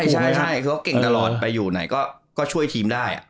ใช่เขาเก่งตลอดไปอยู่ไหนก็ช่วยทีมได้